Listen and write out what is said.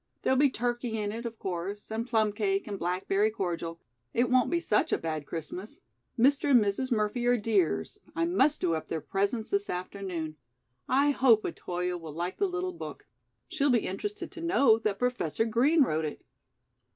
There'll be turkey in it, of course, and plum cake and blackberry cordial it won't be such a bad Christmas. Mr. and Mrs. Murphy are dears I must do up their presents this afternoon. I hope Otoyo will like the little book. She'll be interested to know that Professor Green wrote it."